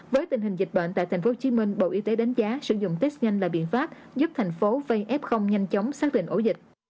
với tình hình dịch bệnh tại tp hcm bộ y tế đánh giá sử dụng test nhanh là biện pháp giúp thành phố vf nhanh chóng xác định ổ dịch